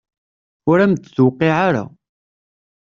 Ur am-d-tuqiɛ ara.